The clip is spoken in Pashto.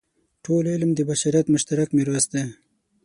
ټول علوم د بشریت مشترک میراث دی.